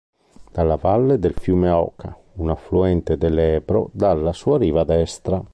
Nella valle del fiume Oca, un affluente del Ebro dalla sua riva destra.